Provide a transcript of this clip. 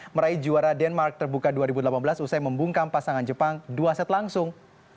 meraih juara denmark terbuka dua ribu delapan belas usai membungkam pasangan jepang dua set langsung